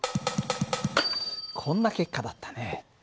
こんな結果だったね。